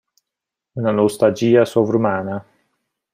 Una nostalgia sovrumana.